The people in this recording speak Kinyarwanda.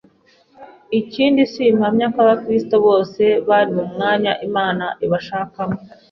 Ikindi, simpamya ko Abakristo bose bari mu mwanya Imana ibashakamo.